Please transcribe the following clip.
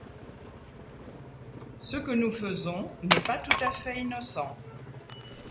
Ce que nous faisons n’est pas tout à fait innocent.